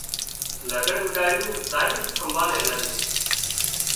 لگھڙ اوڏتون زائينَ ٿمڀا نين لاڄون